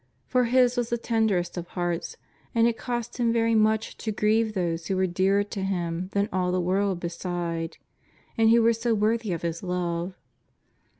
For His was the tenderest of hearts, and it cost Him very much to grieve those who were dearer to Him than all the world beside, and who were so worthy of His love.